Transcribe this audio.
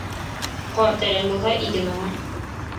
Ҡар тәрән булһа, иген уңыр.